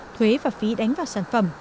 thuế và phí đánh vào sản phẩm